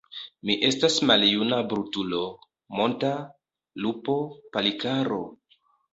Mi estas maljuna brutulo, monta lupo, Palikaro!